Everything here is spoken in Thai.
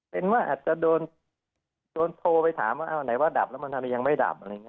เป็นว่าอาจจะโดนโทรไปถามว่าเอาไหนว่าดับแล้วมันทำไมยังไม่ดับอะไรอย่างนี้